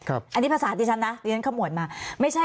อันนี้ภาษาอาทิตย์ฉันนะเรียนข้างหมดมา